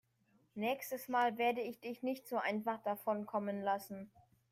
Nächstes Mal werde ich dich nicht so einfach davonkommen lassen.